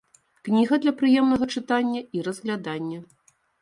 Кніга для прыемнага чытання і разглядання.